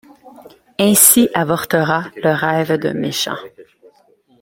Ainsi avorta le rêve d’un méchant.